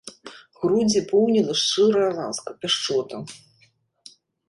Грудзі поўніла шчырая ласка, пяшчота.